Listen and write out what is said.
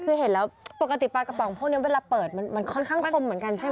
คือเห็นแล้วปกติปลากระป๋องพวกนี้เวลาเปิดมันค่อนข้างคมเหมือนกันใช่ไหม